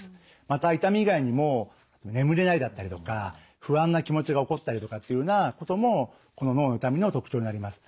また痛み以外にも眠れないだったりとか不安な気持ちが起こったりとかっていうようなこともこの脳の痛みの特徴になります。